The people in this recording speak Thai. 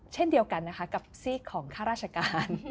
เช่นเดียวกันนะคะกับซีกของข้าราชการ